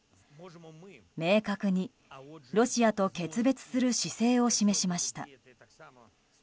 明確にロシアと決別する姿勢を示しました。